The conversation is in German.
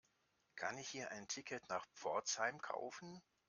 Kann ich hier ein Ticket nach Pforzheim kaufen?